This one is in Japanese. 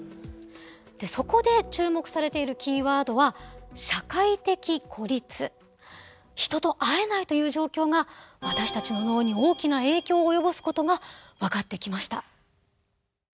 そこで注目されているキーワードは人と会えないという状況が私たちの脳に大きな影響を及ぼすことが分かってきました。